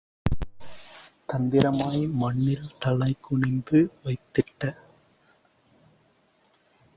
தந்திரமாய் மண்ணில் தலைகுனிந்து வைத்திட்ட